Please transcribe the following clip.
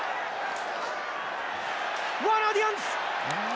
ワーナー・ディアンズ。